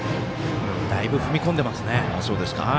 だいぶ踏み込んでますね。